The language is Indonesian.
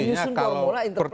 menyusun formula interpelasi